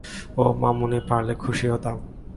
ওহ, মামুনি, পারলে খুশিই হতাম।